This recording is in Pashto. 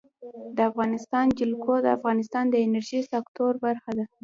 د افغانستان جلکو د افغانستان د انرژۍ سکتور برخه ده.